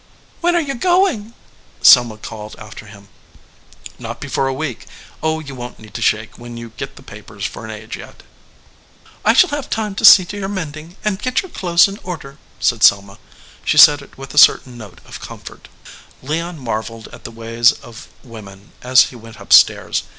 "When are you going?" Selma called after him. "Not before a week. Oh, you won t need to shake when you get the papers for an age yet." "I shall have time to see to your mending, and get your clothes in order," said Selma. She said it with a certain note of comfort. Leon marveled at the ways of women as he went up stairs.